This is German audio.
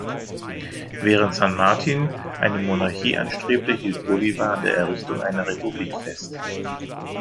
Während San Martín eine Monarchie anstrebte, hielt Bolívar an der Errichtung einer Republik fest.